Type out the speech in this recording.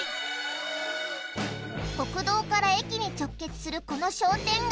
国道から駅に直結するこの商店街。